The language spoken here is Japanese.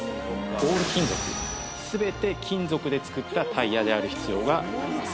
オール金属すべて金属で作ったタイヤである必要があります